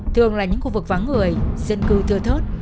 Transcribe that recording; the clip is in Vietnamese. thường là những khu vực vắng người dân cư thưa thớt